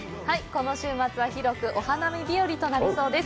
この週末は広くお花見日よりとなりそうです。